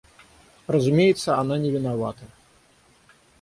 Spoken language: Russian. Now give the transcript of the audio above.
Разумеется, она не виновата.